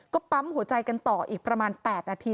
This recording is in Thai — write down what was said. ก็ปั๊มหัวใจกันต่ออีกประมาณ๘นาที